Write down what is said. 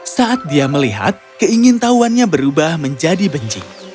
saat dia melihat keingin tahuannya berubah menjadi benci